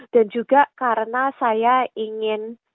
dan juga karena saya ingin